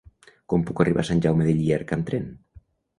Com puc arribar a Sant Jaume de Llierca amb tren?